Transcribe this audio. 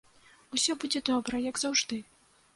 Усё будзе добра, як заўжды!